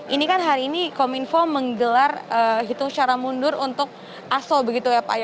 ini kan hari ini kominfo menggelar hitung secara mundur untuk aso begitu ya pak